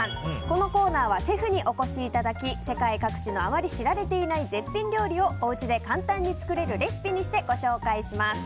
このコーナーはシェフにお越しいただき世界各地のあまり知られていない絶品料理をおうちで簡単に作れるレシピにして、ご紹介します。